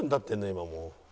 今もう。